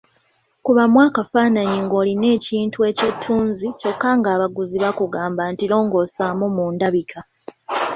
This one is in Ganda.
Kubamu akafaananyi ng’olina ekintu eky’ettunzi kyokka ng’abaguzi bakugamba nti longoosaamu mu ndabika.